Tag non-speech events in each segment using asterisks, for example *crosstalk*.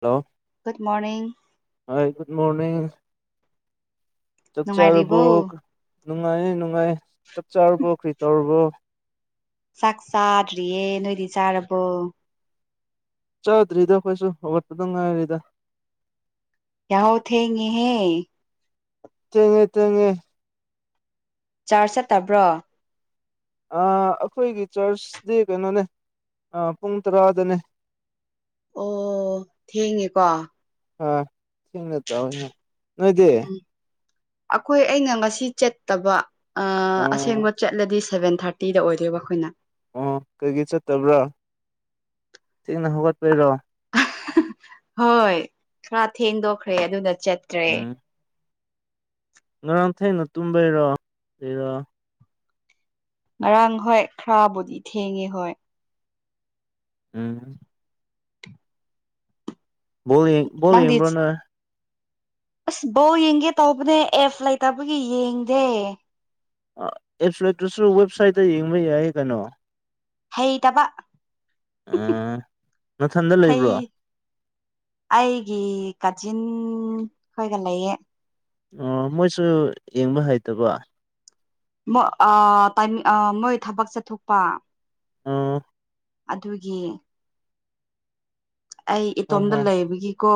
hello good morning ꯍ good morning ꯆꯞ ꯅꯨꯡꯉꯥꯏꯔꯤꯕꯣ ꯆꯥꯔꯨꯕꯛ ꯅꯨꯡꯉꯥꯏ ꯅꯨꯡꯉꯥꯏ ꯆꯥꯛ ꯆꯥꯔꯨꯕꯣ ꯀꯔꯤ ꯇꯧꯔꯨꯕꯣ ꯆꯥꯛꯆꯥꯥꯔꯤꯌꯦ ꯅꯣꯏꯏꯔꯤ ꯆꯥꯔ ꯑꯕꯨꯣ ꯆꯥꯗ꯭ꯔꯤꯗ ꯑꯩꯈꯣꯏꯁꯨ ꯍꯧꯋꯥꯠꯄꯗ ꯉꯥꯏꯔꯤꯗ ꯌꯥꯍꯧ ꯊꯦꯡꯍꯦ ꯆꯉꯦ ꯆꯉꯦ ꯆꯥꯔꯖ ꯆꯠꯇꯕ꯭ꯔꯣ ꯑꯩꯈꯣꯏꯒꯤ ꯆꯔꯆꯗꯤ ꯀꯩꯅꯣꯅꯦ ꯑ ꯄꯨꯡ ꯇꯔꯥꯗꯅꯦ ꯑꯣ ꯊꯦꯡꯉꯦꯀꯣ ꯑ ꯊꯦꯡꯅ ꯇꯧꯋꯤ ꯅꯣꯏꯗꯤ ꯑꯩꯈꯣꯏ ꯑꯩꯅ ꯉꯁꯤ ꯆꯠꯇꯕ ꯑꯣ ꯑꯁꯦꯡꯕ ꯆꯠꯂꯗꯤ ꯁꯚꯦꯟ ꯊꯥꯔꯇꯤꯗ ꯑꯣꯏꯗꯣꯏꯕ ꯑꯩꯈꯣꯏꯅ ꯑꯣ ꯀꯩꯒꯤ ꯆꯠꯇꯕ꯭ꯔꯥ ꯊꯦꯡꯅ ꯍꯧꯒꯠꯄꯩꯔꯣ ꯍꯣꯏ ꯈꯔ ꯊꯦꯡꯗꯣꯛꯈ꯭ꯔꯦ ꯑꯗꯨꯅ ꯆꯠꯇ꯭ꯔꯦ ꯎꯝ ꯉꯔꯥꯡ ꯊꯩꯅ ꯇꯨꯝꯕꯩꯔꯣ ꯂꯩꯔꯣ ꯉꯔꯥꯡ ꯍꯣꯏ ꯈꯔꯕꯨꯗꯤ ꯊꯦꯡꯉꯦ ꯍꯣꯏ ꯎꯝ ꯂꯤ ꯅꯪꯗꯤ ꯌꯦꯡꯕ꯭ꯔꯣꯅ ꯑꯁ ꯕꯧ ꯌꯦꯡꯒꯦ ꯇꯧꯕꯅꯦ ꯑꯦꯐ ꯂꯩꯇꯕꯒꯤ ꯌꯦꯡꯗꯦ ꯑꯦꯞꯁꯨ ꯂꯇꯨꯁꯨ ꯋꯦꯕꯁꯥꯏꯠꯇ ꯌꯦꯡꯕ ꯌꯥꯏ ꯀꯩꯅꯣ ꯍꯩ ꯇꯕ ꯑꯥ ꯅꯊꯟꯗ ꯍꯩ ꯂꯩꯕ꯭ꯔꯣ ꯑꯩꯒꯤ ꯆꯟ ꯈꯣꯏꯒ ꯂꯩꯌꯦ ꯑꯣ ꯃꯣꯏꯁꯨ ꯌꯦꯡꯕ ꯍꯩꯇꯕ ꯇꯥꯏ ꯃꯣꯏ ꯊꯕꯛ ꯆꯠꯊꯣꯛꯄ ꯑꯥ ꯑꯗꯨꯒꯤ ꯑꯩ ꯍꯣꯏ ꯏꯇꯣꯝꯗ ꯍꯣꯏ ꯂꯩꯕꯒꯤꯀꯣ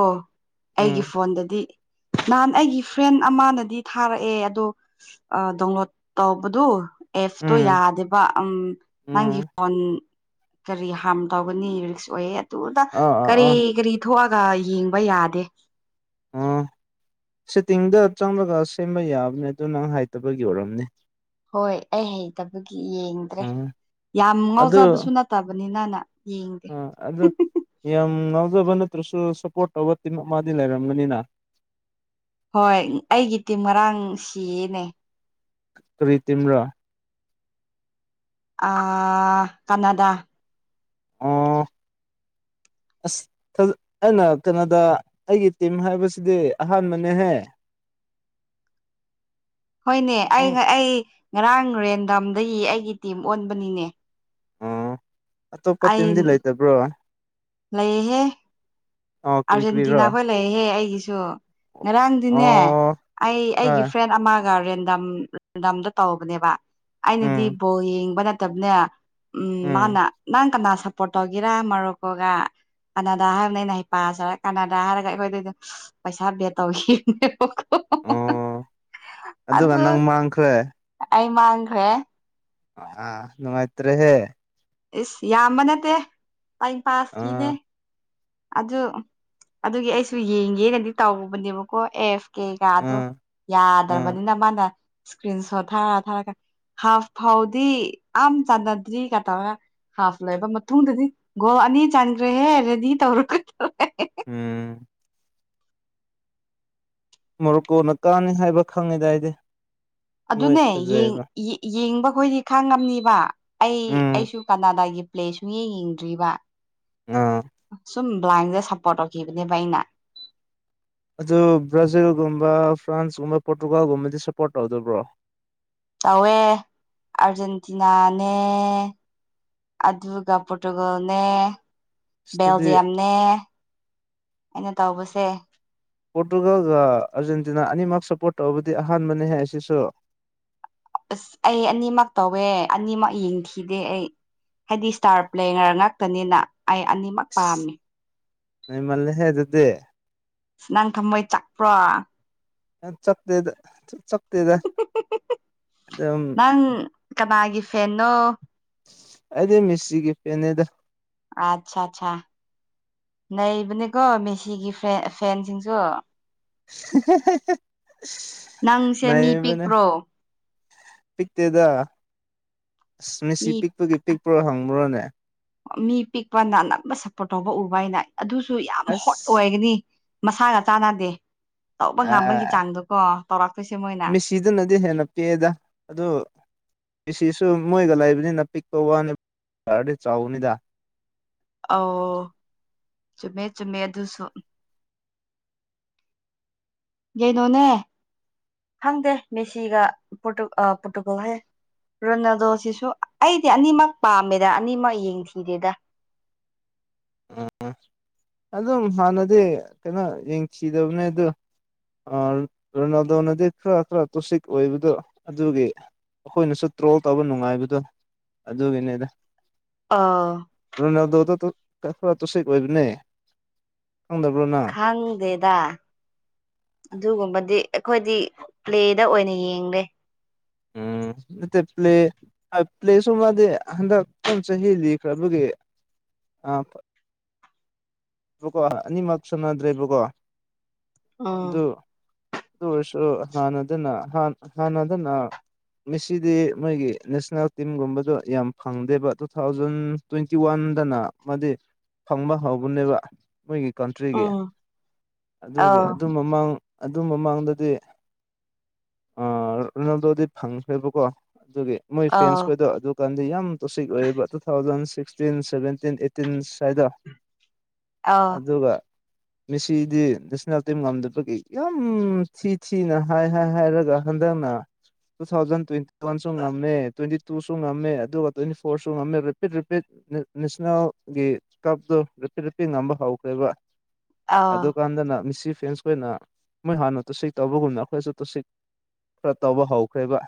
ꯑꯩꯒꯤ ꯎꯝ ꯐꯣꯟꯗꯗꯤ ꯅꯍꯥꯟ ꯑꯩꯒꯤ ꯐ꯭ꯔꯦꯟ ꯑꯃꯅꯗꯤ ꯊꯥꯔꯛꯑꯦ ꯑꯗꯣ ꯗꯥꯎꯟꯂꯣꯗ ꯇꯧꯕꯗꯨ ꯑꯦꯞꯇꯣ ꯎꯝ ꯌꯥꯗꯦꯕ ꯎ ꯅꯪꯒꯤ ꯎꯝ ꯐꯣꯟ ꯀꯔꯤ ꯍꯥꯔꯝ ꯇꯧꯒꯅꯤ ꯔꯤꯛꯁ ꯑꯣꯏꯌꯦ ꯑꯗꯨꯗ ꯑꯥ ꯑꯥ ꯀꯔꯤ ꯑꯥ ꯀꯔꯤ ꯊꯣꯛꯑꯒ ꯌꯦꯡꯕ ꯌꯥꯗꯦ ꯁꯇꯤꯡꯗ ꯆꯪꯕꯒ ꯁꯦꯝꯕ ꯌꯥꯕꯅꯦ ꯑꯗꯨ ꯅꯪ ꯍꯥꯏꯇꯕꯒꯤ ꯑꯣꯏꯔꯝꯅꯦ ꯍꯣꯏ ꯑꯩ ꯍꯩꯇꯕꯒꯤ ꯌꯦꯡꯗ꯭ꯔꯦ ꯎꯝ ꯌꯥꯝ ꯉꯥꯎꯖꯕꯁꯨ ꯅꯠꯇꯕꯅꯤꯅꯅ ꯌꯦꯡꯗꯦ ꯑ ꯑꯗ ꯌꯥꯝ ꯅꯥꯎꯖ ꯠꯇ꯭ꯔꯁꯨ ꯁꯞꯄꯣꯔꯠ ꯇꯧꯕ ꯇꯤꯟꯃꯛ ꯃꯥꯗꯤ ꯂꯩꯔꯝꯒꯅꯤꯅ ꯍꯣꯏ ꯑꯩꯒꯤ ꯇꯤꯝ ꯉꯥꯡ ꯁꯤꯌꯦꯅꯦ ꯀ꯭ꯔꯤꯇꯤꯝ꯭ꯔ ꯑ ꯀꯅꯥꯗꯥ ꯑ *inaudible* ꯑꯁ ꯑꯩꯅ ꯀꯩꯅꯣꯗ ꯑꯩꯒꯤ ꯇꯤꯝ ꯍꯥꯏꯕꯁꯤꯗꯤ ꯑꯍꯥꯟꯕꯅꯦꯍꯦ ꯍꯣꯏꯅꯦ ꯑꯩ ꯅꯪ ꯑꯩ ꯉꯔꯥꯡ ꯔꯦꯟꯗꯝꯗꯒꯤ ꯑꯩꯒꯤ ꯇꯤꯝ ꯑꯣꯟꯕꯅꯤꯅꯦ ꯑꯣ ꯑꯇꯣꯞꯄ ꯑꯩ ꯇꯤꯝꯗꯤ ꯂꯩꯇꯕ꯭ꯔꯣ ꯂꯩꯍꯦ ꯑꯣ ꯀꯔꯤ ꯀꯔꯤꯔꯣ ꯑꯥꯔꯖꯦꯟꯇꯤꯅꯥꯈꯣꯏ ꯂꯩꯍꯦ ꯑꯩꯒꯤꯁꯨ ꯉꯔꯥꯡꯗꯤꯅꯦ ꯑꯣ ꯑꯩ ꯑꯩꯒꯤ ꯍꯣꯏ ꯐ꯭ꯔꯦꯟ ꯑꯃ ꯔꯦꯟꯗꯝ ꯔꯦꯟꯗꯝꯗ ꯇꯧꯧꯕꯅꯦꯕ ꯑꯩꯅꯗꯤ ꯎꯝ ꯕꯣ ꯌꯦꯡꯕ ꯅꯠꯇꯕꯅꯦ ꯎꯝ ꯃꯥꯅ ꯅꯪ ꯀꯅꯥ ꯁꯞꯄꯣꯔꯠ ꯇꯧꯒꯦꯔ ꯃꯔꯨꯞꯀꯣꯒ ꯀꯅꯥꯗ ꯍꯥꯏꯕꯅ ꯑꯩꯅ ꯍꯥꯏ ꯄꯥꯁ ꯍꯥꯏꯔ ꯀꯅꯗ ꯍꯥꯏꯔꯒ ꯑꯩꯈꯣꯏꯗꯗ ꯄꯩꯁꯥ ꯕꯦ ꯇꯧꯈꯤꯅꯦꯕꯣ ꯑꯣ ꯑꯗꯨꯒ ꯅꯪ ꯃꯥꯡꯈ꯭ꯔꯦ ꯃꯥ꯭ꯔꯦ ꯑ ꯅꯨꯡꯃꯥꯏꯇ꯭ꯔꯦ ꯍꯦ ꯏꯁꯁ ꯌꯥꯝꯕ ꯅꯠꯇꯦ ꯇꯥꯏꯝ ꯄꯥꯁꯀꯤꯅꯦ ꯑꯥ ꯑꯗꯨ ꯑꯗꯨꯒꯤ ꯑꯩꯁꯨ ꯌꯦꯡꯒꯦꯅꯗꯤ ꯇꯧꯕꯅꯦꯕꯀꯣ ꯑꯦꯐ ꯀꯦꯒꯗꯣ ꯑꯥ ꯑꯥ ꯌꯥꯗ꯭ꯔꯕꯅꯤꯅ ꯃꯥꯅ ꯏꯁꯀ꯭ꯔꯤꯟ ꯁꯣꯠ ꯊꯥꯔ ꯊꯥꯔꯒ ꯍꯥꯐ ꯐꯥꯎꯗꯤ ꯑ ꯆꯥꯟꯅꯗ꯭ꯔꯤ ꯀ ꯇꯧꯒ ꯍꯥꯐ ꯂꯣꯏꯕ ꯃꯇꯨꯡꯗꯗꯤ ꯒꯣꯜ ꯑꯅꯤ ꯆꯥꯟꯈ꯭ꯔꯦꯍꯦ ꯔꯦꯗꯤ ꯇꯧꯔꯒꯧꯦ ꯎꯝ ꯃꯣꯔꯣꯀꯣꯅ ꯀꯥꯅꯤ ꯍꯥꯏꯕ ꯈꯪꯉꯤꯗꯥꯏꯗꯤ ꯑꯗꯨꯅꯦ ꯌꯦꯡꯕ ꯑꯩꯈꯣꯏꯗꯤ ꯈꯥꯡ ꯉꯝꯅꯤꯕ ꯑꯩ ꯎꯝ ꯑꯩꯁꯨ ꯀꯅꯥꯗꯥꯒꯤ ꯄ꯭ꯂꯦ ꯁ ꯌꯦꯡ ꯌꯦꯡꯗ꯭ꯔꯤꯕ ꯑꯥ ꯁꯨꯝ ꯕ꯭ꯂꯥꯏꯟꯁꯦ ꯁꯄꯣꯔꯠꯔꯈꯤꯕꯈꯤꯕꯅꯦ ꯥꯏꯅ ꯑꯗꯨ ꯕ꯭ꯔꯥꯖꯤꯜꯒꯨꯝꯕ ꯐ꯭ꯔꯥꯟꯁꯀꯨꯝꯕ ꯄꯣꯔꯇꯨꯒꯥꯜꯒꯨꯝꯕꯗꯤ ꯁꯞꯄꯣꯔꯠ ꯇꯧꯗꯕ꯭ꯔꯣ ꯇꯧꯋꯦ ꯑꯥꯔꯖꯦꯟꯇꯤꯅꯥꯅꯦ ꯑꯗꯕꯨꯒ ꯄꯨꯇꯒꯅꯦ ꯑꯗꯨꯗꯤ ꯕꯦꯜꯖꯤꯌꯝꯅꯦ ꯑꯩꯅ ꯇꯧꯕꯁꯦ ꯄꯣꯔꯇꯨꯒꯥꯜꯒ ꯑꯥꯔꯖꯦꯟꯇꯤꯅꯥ ꯑꯅꯤꯃꯛ ꯁꯄꯣꯔꯠ ꯇꯔꯕꯗꯤ ꯑꯍꯥꯟꯕꯅꯤ ꯍꯥꯏ ꯑꯁꯤꯁꯨ ꯑꯁ ꯑꯩ ꯑꯅꯤꯃꯛ ꯇꯧꯋꯦ ꯑꯅꯤꯃꯛ ꯌꯦꯡꯈꯤꯗꯦ ꯑꯩ ꯍꯥꯏꯗꯤ ꯏꯁꯇꯥꯔ ꯄ꯭ꯂꯦ ꯉꯔ ꯉꯥꯛꯇꯅꯤꯅ ꯑꯩ ꯑꯅꯤꯃꯛ ꯄꯥꯝꯃꯤ ꯅ ꯃꯥꯜꯂꯦ ꯍꯦ ꯑꯗꯨꯗꯦ ꯅꯪ ꯊꯝꯃꯣꯏ ꯆꯥꯛꯄ꯭ꯔꯣ ꯆꯠꯇꯦꯗ ꯆꯠꯇꯦꯗ ꯑꯗꯨꯝ ꯦꯟꯅꯣ ꯑꯩꯗꯤ ꯃꯤꯁꯁꯤꯒꯤ ꯐꯦꯅꯦꯗ ꯑꯆꯥ ꯑꯠꯆꯥ ꯂꯩꯔꯤꯕꯕꯅꯤꯀꯣ ꯃꯦꯁꯤꯒꯤ ꯐ ꯐꯦꯟꯁꯤꯡꯁꯨ ꯅꯪꯁꯦ ꯉ ꯃꯤ ꯃꯅꯦ ꯄꯤꯛꯄ꯭ꯔꯣ ꯄꯤꯛꯇꯦꯗ ꯃꯤꯁꯤ ꯃꯤ ꯄꯤꯛꯄꯒꯤ ꯄꯤꯛꯄ꯭ꯔꯣ ꯍꯪꯕ꯭ꯔꯣꯅꯦ ꯃꯤ ꯄꯤꯛꯄ ꯅꯥ ꯅꯝꯕ ꯁꯞꯄꯣꯔꯠ ꯇꯧꯕ ꯎꯕ ꯍꯥꯏꯅ ꯑꯗꯨꯁꯨ ꯌꯥꯝ ꯍꯣꯠ ꯑꯁ ꯑꯣꯏꯒꯅꯤ ꯃꯁꯥꯒ ꯆꯥꯟꯅꯗꯦ ꯇꯧꯕ ꯉꯝꯕꯒꯤ ꯑꯦ ꯆꯥꯡꯗꯣꯀꯣ ꯇꯧꯔꯛꯇꯣꯏꯁꯦ ꯃꯣꯏꯅ ꯃꯤꯦꯁꯤꯗꯅꯗꯤ ꯍꯦꯟꯅ ꯄꯦꯛꯑꯦꯗ ꯑꯗꯨ ꯑꯁꯤꯁꯨ ꯃꯣꯏꯒ ꯂꯩꯕꯅꯤꯅ ꯄꯤꯛꯄ ꯋꯥꯅꯤꯔꯗꯤ ꯆꯥꯎꯅꯤꯗ ꯑꯣ ꯆꯃꯦꯃꯦ ꯆꯨꯝꯃꯦ ꯑꯗꯨꯁꯨ ꯀꯩꯅꯣꯅꯦ ꯈꯪꯗꯦ ꯃꯦꯁꯤꯒꯇꯨ ꯄꯣꯔꯇꯨꯒꯜ ꯍꯥꯏꯌꯦ ꯔꯣꯅꯥꯗꯣꯁꯤꯁꯨ ꯑꯩꯗꯤ ꯑꯅꯤꯃꯛ ꯄꯥꯝꯃꯦꯗ ꯑꯅꯤꯃꯛ ꯌꯦꯡꯊꯤꯗꯦꯗ ꯑꯗꯨꯝ ꯍꯥꯟꯅꯗꯤ ꯀꯩꯅꯣ ꯌꯦꯡꯁꯤꯗꯕꯅꯦ ꯑꯗꯨ ꯔꯣꯅꯥꯜꯗꯣꯅꯗꯤ ꯈꯔ ꯈꯔ ꯇꯣꯁꯤꯛ ꯑꯣꯏꯕꯗꯣ ꯑꯗꯨꯒꯤ ꯑꯩꯈꯣꯏꯅꯁꯨ ꯇ꯭ꯔꯣꯜ ꯇꯧꯕ ꯅꯨꯡꯉꯥꯏꯕꯗꯣ ꯑꯗꯨꯒꯤꯅꯤꯗ ꯑꯥ ꯔꯣꯅꯥꯜꯗꯣꯗ ꯀ ꯈꯔ ꯇꯨꯁ ꯀꯕꯅꯦ ꯈꯪꯗꯦꯗ ꯑꯗꯨꯒꯨꯝꯕꯗꯤ ꯑꯩꯈꯣꯏꯗꯤ ꯄ꯭ꯂꯦꯗ ꯑꯣꯏꯅ ꯌꯦꯡꯂꯡꯦ ꯃ ꯄ꯭ꯂꯦ ꯄ꯭ꯂꯦ ꯁꯣ ꯃꯥꯗꯤ ꯍꯟꯗꯛ ꯇꯝ ꯆ ꯍꯜꯂꯤ ꯈꯕꯒꯤ ꯑ ꯕꯀꯣ ꯑꯅꯤꯃꯛ ꯁꯨꯅꯗ꯭ꯔꯦꯕꯀꯣ ꯑꯥ ꯁꯨꯣ ꯍꯅ ꯑꯗꯨꯅ ꯍ ꯍꯅ ꯑꯗꯨꯅ ꯃꯁꯤꯁꯤꯗꯤ ꯃꯣꯏꯒꯤ ꯅꯦꯁꯅꯦꯜ ꯇꯤꯝꯒꯨꯝꯕꯗꯣ ꯌꯥꯝ ꯐꯪꯗꯦꯕ ꯇꯨ ꯊꯥꯎꯖꯟ ꯇ꯭ꯋꯦꯟꯇꯤ ꯋꯥꯟ ꯈꯟꯗꯅ ꯑꯃꯗꯤ ꯐꯪꯕ ꯍꯧꯕꯅꯦꯕ ꯃꯣꯏꯒꯤ ꯀꯟꯇ꯭ꯔꯤꯒꯤ ꯎꯝ ꯑꯗꯨꯒꯤ ꯑꯥꯎ ꯑꯗꯨ ꯃꯃꯥꯡ ꯑꯗꯨ ꯃꯃꯥꯡꯗꯗꯤ ꯔꯣꯅꯥꯜꯗꯣꯗꯤ ꯐꯪꯈ꯭ꯔꯦꯕꯀꯣ ꯑꯗꯨꯒꯤ ꯃꯣꯏ ꯐꯦꯟꯁ ꯑꯥꯎ ꯈꯗꯣ ꯑꯗꯨ ꯀꯥꯟꯗꯤ ꯌꯥꯝ ꯇꯣꯁꯤꯛ ꯑꯣꯏꯌꯦꯕ two thousand sixteen seventeen eighteen ꯁ꯭ꯋꯥꯏꯗ ꯑꯥꯎ ꯑꯗꯨꯒ ꯃꯤꯦꯁꯤꯗꯤ ꯅꯦꯁꯅꯦꯜ ꯇꯤꯝ ꯉꯝꯗꯕꯒꯤ ꯌꯥꯝ ꯊꯤ ꯊꯤꯅ ꯍꯥꯏ ꯍꯥꯏ ꯍꯥꯏꯔꯒ ꯍꯟꯗꯛꯅ ꯇꯨ ꯊꯥꯎꯖꯟ ꯇ꯭ꯋꯦꯟꯇꯤ ꯋꯥꯟꯁꯨ ꯉꯝꯃꯦ ꯇ꯭ꯋꯦꯟꯇꯤ ꯇꯨꯁꯨ ꯉꯝꯃꯦ ꯑꯗꯨꯒ ꯇ꯭ꯋꯦꯟꯇꯤ ꯐꯣꯔꯁꯨ ꯉꯝꯃꯦ ꯔꯤꯄꯤꯠ ꯔꯤꯄꯤꯠ ꯅꯦꯁꯅꯦꯜꯒꯤ ꯀꯞꯇꯣ ꯔꯦꯞꯄꯤ ꯔꯦꯞꯄꯤ ꯉꯝꯕ ꯍꯧꯈ꯭ꯔꯦꯕ ꯑꯥꯎ ꯑꯗꯨꯀꯥꯟꯗꯅ ꯃꯤꯁꯤ ꯐ꯭ꯔꯦꯟꯁꯈ ꯑꯣꯏꯅ ꯃꯣꯏ ꯍꯥꯟꯅ ꯇꯨꯁꯤ ꯇꯧꯕꯒꯨꯝꯅ ꯑꯩꯈꯣꯏꯁꯨ ꯇꯨꯁꯤ ꯈꯔ ꯇꯧꯕ ꯍꯧꯈ꯭ꯔꯦꯕ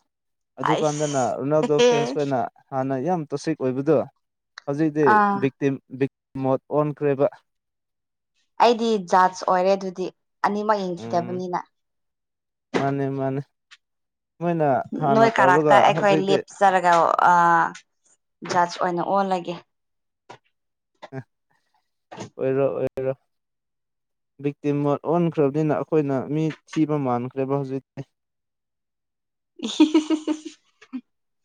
ꯑꯩꯁ ꯑꯗꯨꯀꯥꯟꯗꯅ ꯔꯣꯅꯥꯜꯗꯣ ꯑꯦꯍꯦ ꯐ꯭ꯔꯦꯟꯁꯈ ꯑꯣꯏꯅ ꯍꯥꯟꯅ ꯌꯥꯝ ꯇꯣꯁꯤꯛ ꯑꯣꯏꯕꯗꯣ ꯍꯧꯖꯤꯛꯇꯤ ꯑꯥ ꯕꯤ ꯕꯤꯛꯇ ꯃꯣꯠ ꯑꯣꯟꯈ꯭ꯔꯦꯕ ꯑꯩꯗꯤ ꯖꯥꯁ ꯑꯣꯏꯔꯦ ꯑꯗꯨꯗꯤ ꯑꯅꯤꯃꯛ ꯎꯝ ꯌꯦꯡꯈꯤꯗꯕꯅꯤꯅ ꯃꯥꯅꯦ ꯃꯥꯅꯦ ꯃꯣꯏꯅ ꯍꯥꯟꯅ ꯅꯣꯏ ꯀꯥꯔꯥꯛꯇ ꯇꯧꯔꯒ ꯑꯩꯈꯣꯏꯦ ꯍꯧꯖꯤꯛꯇꯤ ꯂꯦꯞꯆꯔꯒ ꯑꯖ ꯑꯣꯏꯅ ꯑꯣꯜꯂꯒꯦ ꯑꯣꯏꯔꯣ ꯑꯣꯏ ꯑꯣꯏꯔꯣ ꯕꯤꯛꯇꯤꯝ ꯃꯣꯠ ꯑꯣꯟꯈ꯭ꯔꯕꯅꯤꯅ ꯑꯩꯈꯣꯏꯅ ꯃꯤ ꯊꯤꯕ ꯃꯥꯟꯈ꯭ꯔꯦꯕ ꯍꯧꯖꯤꯛꯇꯤ *unintelligible*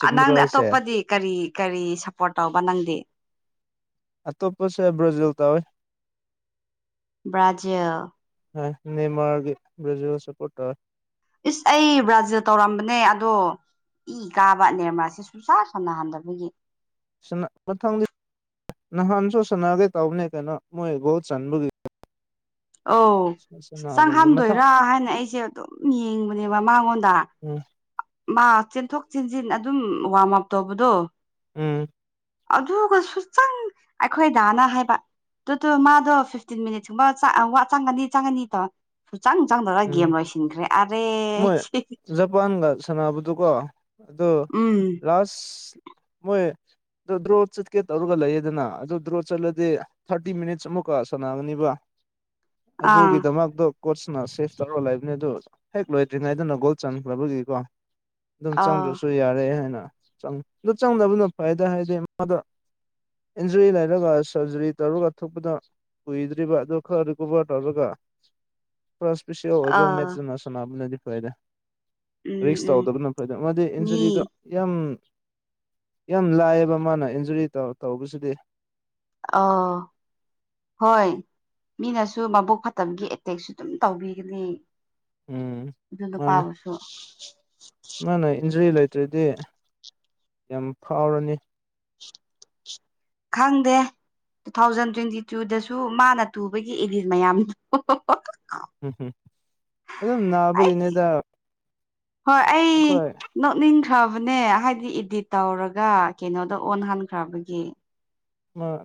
ꯆꯨꯝꯗ꯭ꯔꯣ ꯅꯪꯗꯤ ꯍꯥꯏꯁꯦ ꯑꯇꯣꯞꯄꯗꯤ ꯀꯔꯤ ꯀꯔꯤ ꯁꯞꯄꯣꯔꯠ ꯇꯧꯕ ꯅꯪꯗꯤ ꯑꯇꯣꯞꯄꯁꯦ ꯕ꯭ꯔꯥꯖꯤꯜ ꯇꯧꯋꯤ ꯕ꯭ꯔꯥꯖꯤꯜ ꯅꯅꯤꯃꯔꯒ ꯕꯖꯁꯄꯠꯇ ꯏꯁ ꯑꯩ ꯕ꯭ꯔꯥꯖꯤꯜ ꯇꯧꯔꯝꯕꯅꯦ ꯑꯗꯣ ꯏ ꯀꯥꯕ ꯅꯤꯔꯃꯥꯁꯤꯦ ꯁꯨꯡꯁꯥ ꯁꯝꯅꯍꯟꯗꯕꯒꯤ ꯁꯤ ꯃꯊꯪꯗꯤ ꯅꯍꯟꯁꯨꯣ ꯁꯅꯥꯒꯦ ꯇꯥꯎꯅꯦ ꯀꯅ ꯃꯨꯣꯏ ꯒꯣꯠ ꯆꯟꯕꯨꯒꯤ ꯑ ꯆꯪ ꯃꯊꯪ ꯍꯥꯝꯗꯣꯏꯔ ꯍꯥꯏꯅ ꯑꯩꯁꯦ ꯑꯗꯨꯝ ꯌꯦꯡꯕꯅꯦꯕ ꯃꯉꯣꯟꯗ ꯎꯝ ꯃꯥ ꯆꯦꯟꯊꯣꯛ ꯆꯦꯟꯁꯤꯟ ꯑꯗꯨꯝ ꯋꯥꯔꯝ ꯑꯞ ꯇꯧꯕꯗꯣ ꯎꯝ ꯑꯗꯨꯒꯁꯨ ꯆꯪ ꯑꯩꯈꯣꯏꯗꯥꯅ ꯍꯥꯏꯕ ꯑꯗꯨ ꯃꯥꯗꯣ ꯐꯤꯐꯇꯤꯟ ꯃꯤꯅꯤꯠꯁꯀꯨꯝꯕ ꯆꯪꯒꯅꯤ ꯆꯪꯒꯅꯤꯗꯣ ꯆꯪ ꯆꯪꯗꯔ ꯎꯝ ꯒꯦꯝ ꯂꯣꯏꯁꯤꯟꯈ꯭ꯔꯦ ꯑꯔꯦ ꯃꯣꯏ ꯑꯗꯨ ꯎꯝ ꯂꯥꯁ ꯃꯣꯏ ꯗ꯭ꯔꯣ ꯆꯠꯀꯦ ꯇꯧꯔꯒ ꯂꯩꯌꯦꯗꯅ ꯑꯗꯨꯣ ꯗ꯭ꯔꯣ ꯆꯠꯂꯗꯤ ꯊꯥꯔꯇꯤ ꯃꯤꯅꯤꯠꯁ ꯑꯃꯨꯛ ꯀꯣ ꯁꯥꯟꯅꯒꯅꯤꯕ ꯑꯥ ꯑꯗꯨꯒꯤꯗꯃꯛꯇꯣ ꯀꯣ ꯁꯅꯔꯁꯦ ꯆꯧꯔꯣ ꯂꯩꯕꯅꯦ ꯑꯗꯨꯣ ꯍꯦꯛ ꯂꯣꯏꯗ꯭ꯔꯤꯉꯩꯗꯅ ꯒꯣꯜ ꯆꯟꯈ꯭ꯔꯕꯒꯤꯀꯣ ꯑꯗꯨꯝ ꯑꯥ ꯆꯪꯗ꯭ꯔꯁꯨ ꯌꯥꯔꯦ ꯍꯥꯏꯅ ꯆꯪ ꯑꯗꯨ ꯆꯪꯗꯕꯅ ꯐꯥꯏꯗ ꯍꯥꯏꯗꯤ ꯃꯥꯗ ꯏꯟꯖꯔꯤ ꯂꯩꯔꯒ ꯁꯔꯖꯔꯤ ꯇꯧꯔꯒ ꯊꯣꯛꯄꯗ ꯀꯨꯏꯗ꯭ꯔꯤꯕ ꯑꯗꯨ ꯈꯔ ꯔꯤꯀꯣꯕꯔ ꯇꯧꯔꯒ ꯄꯁꯤ ꯑꯣꯏꯕ ꯑꯥ ꯃꯦꯖꯅ ꯁꯅꯕꯅꯗꯤ ꯐꯥꯏꯗꯦ ꯎꯝ ꯔꯤꯛꯁ ꯎꯝ ꯇꯧꯗꯕꯅ ꯐꯩꯗ ꯃꯥꯗꯤ ꯏꯟꯖꯨꯔꯤꯗꯣ ꯃꯤ ꯌꯥꯝ ꯌꯥꯝ ꯂꯥꯏꯑꯕ ꯃꯥꯅ ꯏꯟꯖꯨꯔꯤ ꯇꯧꯕꯁꯨꯗꯤ ꯑꯥ ꯍꯣꯏ ꯃꯤꯅꯁꯨ ꯃꯕꯣꯛ ꯐꯠꯇꯕꯒꯤ ꯑꯦꯇꯦꯛꯁꯨ ꯑꯗꯨꯝ ꯇꯧꯕꯤꯒꯅꯤ ꯎꯝ ꯑꯗꯨꯗ ꯃꯥꯅꯦ ꯄꯥꯕꯁꯨꯣ ꯇ꯭ꯔꯗꯤ ꯌꯥꯝ ꯐꯥꯎꯔꯅꯤ ꯈꯪꯗꯦ ꯇꯨ ꯊꯥꯎꯖꯟ ꯇ꯭ꯋꯦꯟꯇꯤ ꯇꯨꯗꯁꯨ ꯃꯥꯅ ꯇꯨꯕꯒꯤ ꯑꯦꯔꯤꯁ ꯃꯌꯥꯝꯗꯣ ꯍꯝ ꯍꯨꯝ ꯑꯗꯨꯝ ꯑꯩ ꯅꯥꯕꯒꯤꯅꯦꯗ ꯍꯣꯏ ꯑꯩ ꯑꯩꯈꯣꯏ ꯅꯣꯛꯅꯤꯡ ꯈ꯭ꯔꯕꯅꯦ ꯍꯥꯏꯗꯤ ꯏꯗꯤꯠ ꯇꯧꯔꯒ ꯀꯩꯅꯣꯗ ꯑꯣꯟꯍꯟꯈ꯭ꯔꯕꯒꯤ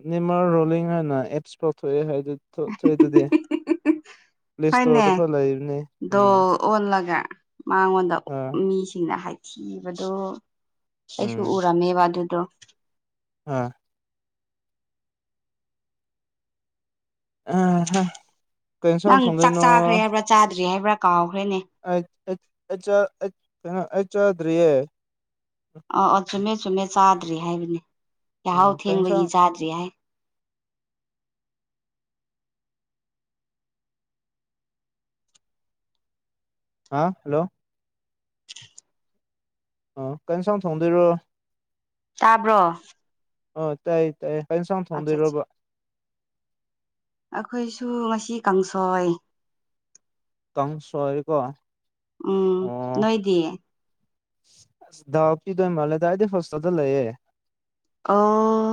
ꯅꯤꯃꯔ ꯔꯣꯂꯤꯡ ꯍꯥꯏꯅ ꯑꯦꯞꯁ ꯄꯥꯎꯊꯣꯛꯑꯦ ꯊꯣꯛꯑꯏ ꯑꯗꯨꯗꯤ ꯄ꯭ꯂꯦ ꯍꯅꯦ ꯏꯁꯇꯣꯔꯗ ꯐꯥꯎ ꯂꯩꯕꯅꯦ ꯗꯣ ꯎꯝ ꯑꯣꯟꯂꯥ ꯃꯉꯣꯟꯗ ꯑꯥ ꯃꯤꯁꯤꯡꯅ ꯍꯥꯏ ꯁꯤꯕꯗꯣ ꯑꯩꯁꯨ ꯎꯝ ꯎꯔꯝꯃꯦꯕ ꯑꯗꯨꯗꯣ ꯑꯥ ꯀꯩꯅꯣ ꯁ ꯅꯪ ꯆꯥꯛ ꯊꯣꯡꯗꯣꯏꯅꯣ ꯆꯥꯈ꯭ꯔꯦ ꯍꯥꯏꯕ꯭ꯔꯥ ꯆꯥꯗ꯭ꯔꯤ ꯍꯥꯏꯕ꯭ꯔꯥ ꯀꯥꯎꯈ꯭ꯔꯦꯅꯦ ꯆꯥꯗꯔꯤꯌꯦ ꯑ ꯑ ꯆꯨꯝꯃꯦ ꯆꯨꯝꯃꯦ ꯆꯥꯗ꯭ꯔꯔꯤ ꯍꯥꯏꯕꯅꯦ ꯎꯝ ꯆꯍꯥꯎ ꯀꯩ ꯊꯦꯡꯕꯒꯤ ꯏꯟꯁꯥꯡ ꯆꯥꯗ꯭ꯔꯤ ꯍꯥꯏ ꯍꯥ ꯍꯜꯂꯣ ꯑ ꯀꯩꯅ ꯁꯝ ꯊꯣꯡꯗꯣꯏꯔꯣ ꯇꯥꯕ꯭ꯔꯣ ꯑꯥ ꯇꯥꯏꯌꯦ ꯇꯥꯏꯌꯦ ꯍꯌꯦꯡꯁꯥꯡ ꯑꯠꯆꯥ ꯑꯠꯆꯥ ꯊꯣꯡꯗꯣꯏꯔꯕ ꯁꯨ ꯉꯁꯤ ꯀꯥꯡꯁꯣꯏ ꯀꯪ ꯁꯣꯔꯤ ꯀꯣ ꯎꯝ ꯅꯣꯏꯗꯤꯌꯦ ꯑ ꯗꯥꯎ ꯄꯤꯗꯣ ꯏ ꯃꯥꯂꯦꯗ ꯑꯩꯗꯤ ꯍꯣꯁꯇꯗ ꯂꯩꯌꯦꯦ ꯑꯥ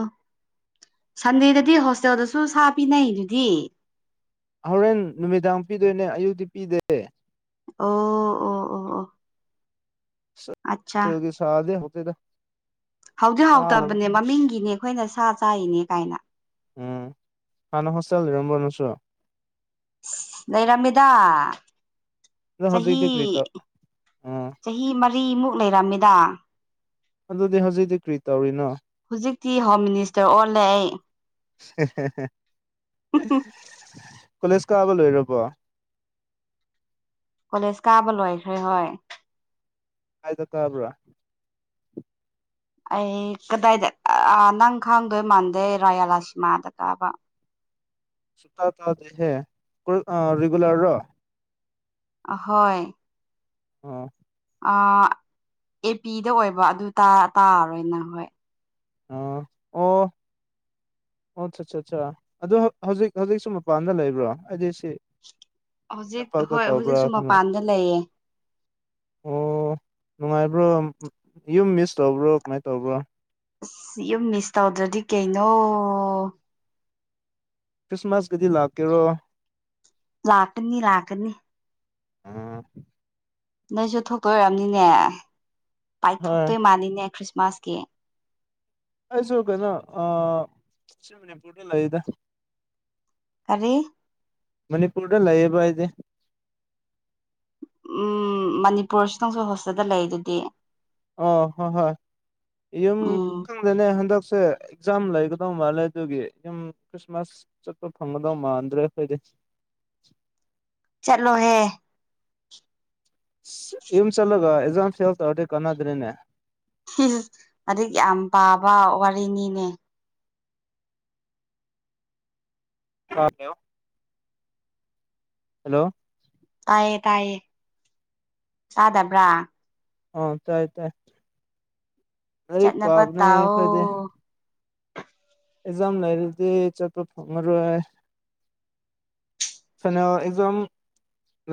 ꯁꯟꯗꯦꯗꯗꯤ ꯍꯣꯁꯇꯦꯜꯗꯁꯨ ꯁꯥ ꯄꯤꯅꯩ ꯑꯗꯨꯗꯤ ꯍꯣꯔꯦꯟ ꯅꯨꯃꯤꯗꯥꯡ ꯄꯤꯗꯣꯏꯅꯦ ꯑꯌꯨꯛꯇꯗꯤ ꯄꯤꯗꯦ ꯑꯣ ꯑꯣ ꯑꯣ ꯑꯣ ꯑꯠꯆꯥ ꯀ ꯁꯥꯗ ꯍꯧꯗ ꯍꯧꯥꯎꯗꯤ ꯍꯥꯎꯇꯕꯅꯦ ꯃꯃꯤꯡꯒꯤꯅꯦ ꯑꯩꯈꯣꯏꯅ ꯁꯥ ꯆꯥꯔꯤꯅꯦ ꯀꯥꯏꯅ ꯎꯝ ꯍꯅ ꯍꯣꯇꯦꯜ ꯔꯝꯝꯕ ꯅꯁꯨ꯭ꯔ ꯂꯩꯔꯝꯃꯤꯗ ꯑꯗꯣ ꯆꯍꯤ ꯍꯧꯖꯤꯛꯇꯤ ꯀꯔꯤ ꯇꯧ ꯑꯥ ꯆꯍꯤ ꯃꯔꯤꯃꯨꯛ ꯂꯩꯔꯝꯃꯤꯗ ꯑꯗꯨꯗꯤ ꯍꯧꯖꯤꯛꯛꯇꯤ ꯀ꯭ꯔꯤ ꯇꯧꯔꯤꯅꯣ ꯍꯧꯖꯤꯛꯇꯤ ꯍꯣꯝ ꯃꯤꯅꯤꯁꯇꯔ ꯑꯣꯜꯂꯛꯦ *inaudible* ꯀꯣꯂꯦꯖ ꯀꯥꯕ ꯂꯣꯏꯔꯕꯣ ꯀꯣꯂꯦꯖ ꯀꯥꯕ ꯂꯣꯏꯈ꯭ꯔꯦ ꯍꯣꯏ ꯍꯥꯏꯥꯏꯗ ꯇꯕꯥ ꯑꯩ ꯀꯗꯥꯏꯗ ꯅꯪ ꯈꯥꯡꯗꯣꯏ ꯃꯥꯟꯗꯦ ꯔꯥꯌꯥꯂꯥ ꯁꯤꯃꯥꯗ ꯀꯥꯕ ꯁꯛꯇ ꯇ ꯗꯦꯍꯦ ꯔꯔꯤꯒꯨꯂꯔ ꯔꯣ ꯑꯍꯣꯏ ꯑꯥ ꯑꯦ ꯄꯤꯗ ꯑꯣꯏꯕ ꯑꯗꯨ ꯇꯥꯔꯣꯏꯅ ꯍꯣꯏ ꯑ ꯑꯣ ꯑꯣ ꯑꯆꯥ ꯑꯠ ꯑꯠꯆꯥꯥ ꯑꯗ ꯍꯧꯖꯤꯛ ꯍꯧꯖꯤꯛꯁꯨ ꯃꯄꯥꯟꯗ ꯂꯩꯕ꯭ꯔꯣ ꯍꯥꯏꯗꯤ ꯁꯤ ꯍꯧꯖꯤꯛ ꯂꯝꯄꯥꯛꯇ ꯍꯣꯏ ꯍꯧꯖꯤꯛꯁꯨ ꯇꯧꯕ꯭ꯔꯥ ꯈꯅ ꯃꯄꯥꯟꯗ ꯂꯩꯌꯦ ꯑꯣ ꯅꯨꯡꯉꯥꯏꯕ꯭ꯔꯣ ꯌꯨꯝ ꯃꯤꯁ ꯇꯧꯕ꯭ꯔꯣ ꯀꯃꯥꯏꯅ ꯇꯧꯕ꯭ꯔꯣ ꯑꯁ ꯌꯨꯝ ꯃꯤꯁ ꯇꯧꯗ꯭ꯔꯗꯤ ꯀꯩꯅꯣ ꯀ꯭ꯔꯤꯁꯃꯁ ꯀꯗꯤ ꯂꯥꯛꯀꯦ ꯔꯣ ꯂꯥꯛꯀꯅꯤ ꯂꯥꯛꯀꯅꯤ ꯑꯥ ꯅꯣꯏꯁꯨ ꯊꯣꯛꯇꯣꯏ ꯑꯣꯏꯝꯅꯤꯅꯦ ꯍꯣꯏ ꯄꯥꯏꯊꯣꯛꯇꯣꯏ ꯃꯥꯅꯤꯅꯦ ꯈ꯭ꯔꯤꯁꯃꯥꯁꯀꯤ ꯑꯩꯁꯨꯨ ꯀꯅ ꯑ ꯁꯤ ꯃꯅꯤꯄꯨꯔꯅꯤ ꯂꯥꯏꯗ ꯀꯔꯤ ꯃꯅꯤꯄꯨꯔꯗ ꯂꯩꯌꯦꯕ ꯍꯥꯏꯗꯤ ꯎꯝ ꯃꯅꯤꯄꯨꯔꯁꯤ ꯅꯪꯁꯨ ꯍꯣꯁꯇꯦꯜꯗ ꯂꯩ ꯑꯗꯨꯗꯤ ꯑꯣ ꯍꯣꯏ ꯍꯣꯏ ꯌꯨꯝ ꯎꯝ ꯈꯪꯗꯅꯦ ꯍꯟꯗꯛ ꯁꯦ ꯑꯦꯛꯖꯥꯝ ꯂꯩꯒꯗꯧ ꯃꯥꯜꯂꯦ ꯑꯗꯨꯒꯤ ꯌꯨꯝ ꯈ꯭ꯔꯤꯁꯃꯥꯁ ꯆꯠꯄ ꯐꯪꯒꯗꯧ ꯃꯥꯟꯗ꯭ꯔꯦ ꯑꯩꯈꯣꯏꯗꯤ ꯆꯠꯂꯣꯍꯦ ꯏꯝ ꯆꯠꯂꯒ ꯑꯦꯛꯖꯥꯝ ꯐꯦꯦꯜ ꯇꯔꯔꯦ ꯀꯅꯥꯗ꯭ꯔꯦꯅꯦ ꯑꯛ ꯌꯥꯝ ꯄꯥꯕ ꯋꯥꯔꯤꯅꯤꯅꯦ ꯍ ꯀꯣ ꯍꯜꯂꯣ ꯇꯌꯦ ꯇꯥꯏꯌꯦ ꯇꯥꯗꯕ꯭ꯔꯥ ꯑ ꯇꯥꯏ ꯇꯥꯏ ꯑꯔ ꯆꯠꯅꯕ ꯄꯥꯕꯅꯦ ꯐꯥꯏꯗꯦ ꯇꯥꯎꯑꯣ ꯑꯦꯖꯥꯝ ꯂꯩꯔꯗꯤ ꯆꯠ ꯆꯞ ꯐꯉꯔ ꯁꯅ ꯑꯦꯖꯝ